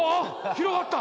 広がった！